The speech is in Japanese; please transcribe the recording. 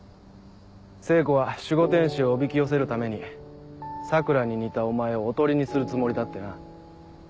聖子は守護天使をおびき寄せるために桜に似たお前をおとりにするつもりだってな。